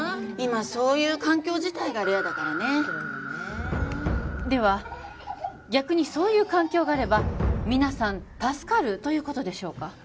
今そういう環境自体がレアだからねでは逆にそういう環境があれば皆さん助かるということでしょうか？